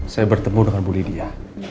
saya bertemu dengan bu lydia